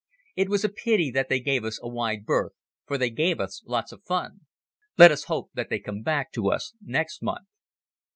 It was a pity that they gave us a wide berth, for they gave us lots of fun. Let us hope that they come back to us next month.